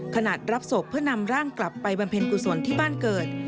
รับศพเพื่อนำร่างกลับไปบำเพ็ญกุศลที่บ้านเกิด